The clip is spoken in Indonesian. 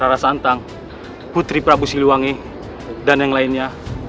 rara santang putri prabu siliwangi dan yang lainnya